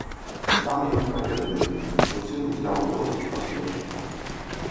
Там яму паведамілі, што сын узяў у воласці пасведчанне.